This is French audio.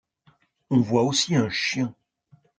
On voit aussi un chien.